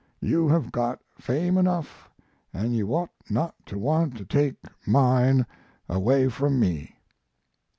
You have got fame enough & you ought not to want to take mine away from me."